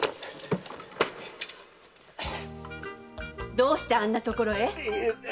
どうしてあんな所へ？